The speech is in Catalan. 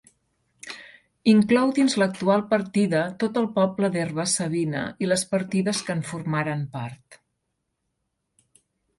Inclou dins l'actual partida tot el poble d'Herba-savina i les partides que en formaren part.